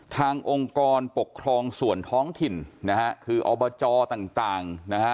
องค์กรปกครองส่วนท้องถิ่นนะฮะคืออบจต่างนะฮะ